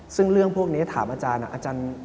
ซึ่งเรื่องพวกนี้ถามอาจารย์